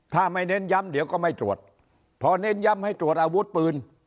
ถ้าไม่เน้นย้ำเดี๋ยวก็ไม่ตรวจพอเน้นย้ำให้ตรวจอาวุธปืน